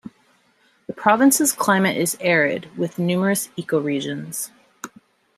The Province's climate is arid, with numerous ecoregions.